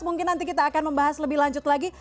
mungkin nanti kita akan membahas lebih lanjut lagi